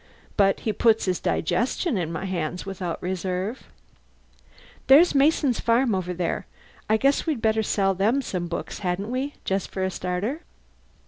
But he puts his digestion in my hands without reserve. There's Mason's farm over there. I guess we'd better sell them some books hadn't we? Just for a starter."